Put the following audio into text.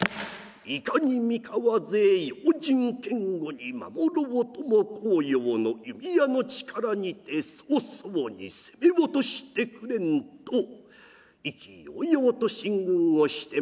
いかに三河勢用心堅固に守ろうとも甲陽の弓矢の力にて早々に攻め落としてくれんと意気揚々と進軍をしてまいります。